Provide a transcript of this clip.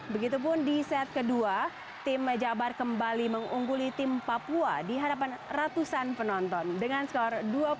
begitu pun di set kedua tim jabar kembali mengungguli tim papua di hadapan ratusan penonton dengan skor dua puluh lima enam belas